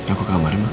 aku ke kamarnya mak